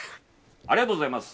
ありがとうございます。